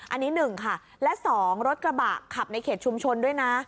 อันนี้๑ค่ะและ๒รถกระบะขับในเขตชุมชนด้วยนะ